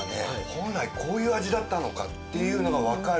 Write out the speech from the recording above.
本来こういう味だったのかっていうのがわかる。